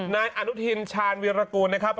นายอนุทินชาญวิรากูลนะครับ